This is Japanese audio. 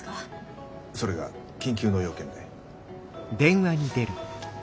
それが緊急の要件で。